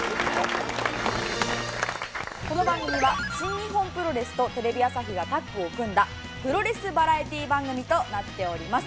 この番組は新日本プロレスとテレビ朝日がタッグを組んだプロレスバラエティ番組となっております。